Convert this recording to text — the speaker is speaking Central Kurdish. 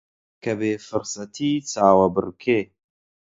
کە بێ فرسەتی چاوەبڕکێ